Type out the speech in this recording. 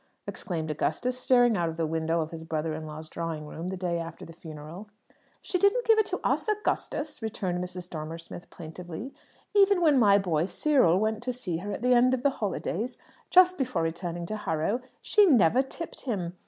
exclaimed Augustus, staring out of the window of his brother in law's drawing room the day after the funeral. "She didn't give it to us, Augustus," returned Mrs. Dormer Smith plaintively. "Even when my boy Cyril went to see her at the end of the holidays, just before returning to Harrow, she never tipped him.